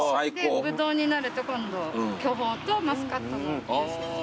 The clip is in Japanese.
ブドウになると今度巨峰とマスカットのジュース。